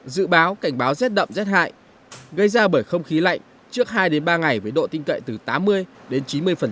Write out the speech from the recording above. dự báo cảnh báo rét đậm rét hại gây ra bởi không khí lạnh trước hai đến ba ngày với độ tinh cậy từ tám mươi đến chín mươi